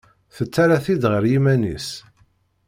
Tettara-t-id ɣer yiman-is.